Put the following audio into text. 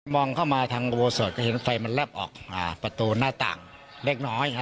มองเข้ามาทางบวชสดก็เห็นไฟมันเลิบออกอ่าประตูหน้าต่างเล็กน้อยฮะ